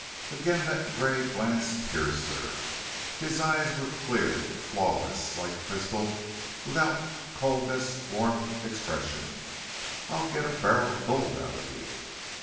Again that gray glance pierced her. His eyes were clear, flawless, like crystal, without coldness, warmth, expression. "I'll get a barrel of gold out of you."